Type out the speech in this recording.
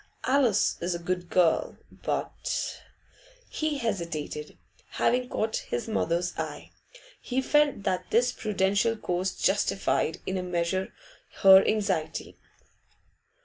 Alice is a good girl, but ' He hesitated, having caught his mother's eye. He felt that this prudential course justified in a measure her anxiety.